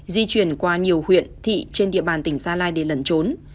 di chuyển qua nhiều huyện thị trên địa bàn tỉnh gia lai để lẩn trốn